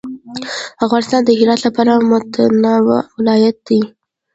افغانستان د هرات له پلوه متنوع ولایت دی.